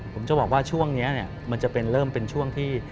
ผมจะบอกว่าช่วงนี้มันจะเป็นเริ่มเป็นช่วงที่